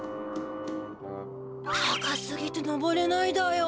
高すぎて上れないだよ。